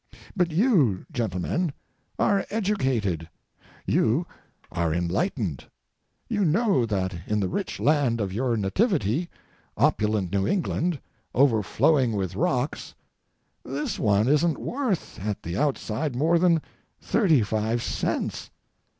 But you, gentlemen, are educated; you are enlightened; you know that in the rich land of your nativity, opulent New England, overflowing with rocks, this one isn't worth, at the outside, more than thirty five cents.